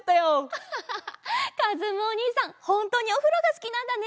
アハハハかずむおにいさんほんとにおふろがすきなんだね！